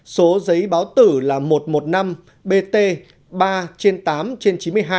số giấy báo tử là một trăm một mươi năm bt ba trên tám trên chín mươi hai